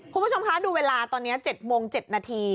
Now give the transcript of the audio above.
คุณผู้ชมคะดูเวลาตอนนี้๗โมง๗นาที